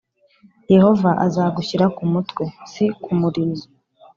yehova azagushyira ku mutwe; si ku murizo